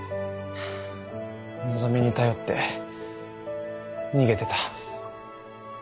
希実に頼って逃げてた。